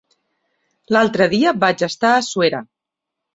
L'altre dia vaig estar a Suera.